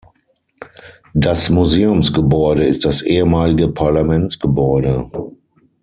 Das Museumsgebäude ist das ehemalige Parlamentsgebäude.